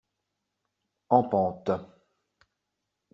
En pente.